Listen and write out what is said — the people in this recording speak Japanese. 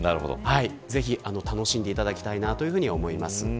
ぜひ楽しんでいただきたいと思います。